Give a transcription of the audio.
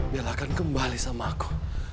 bella akan kembali sama aku